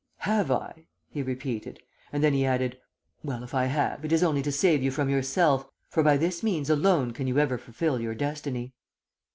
"'Have I?' he repeated, and then he added, 'well, if I have, it is only to save you from yourself, for by this means alone can you ever fulfil your destiny.'